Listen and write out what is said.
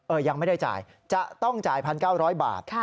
ยังไม่ได้จ่ายจะต้องจ่าย๑๙๐๐บาท